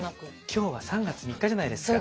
今日は３月３日じゃないですか。